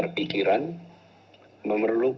jadi saya ingin mengucapkan kepada semua orang